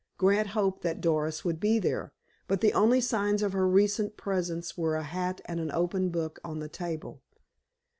Grant hoped that Doris would be there, but the only signs of her recent presence were a hat and an open book on the table.